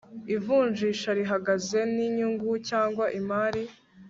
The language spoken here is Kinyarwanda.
ivunjisha rihagaze n inyungu cyangwa imari